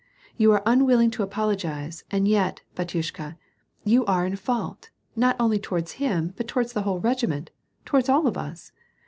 " You are unwilling to apologize, and yet, bat yushka, you are in fault, not only towards him but towards the whole regiment, towards all of us.